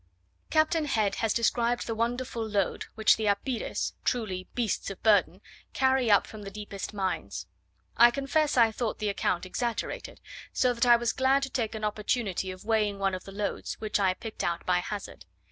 Captain Head has described the wonderful load which the "Apires," truly beasts of burden, carry up from the deepest mines. I confess I thought the account exaggerated: so that I was glad to take an opportunity of weighing one of the loads, which I picked out by hazard.